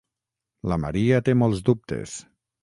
La Maria té molts dubtes.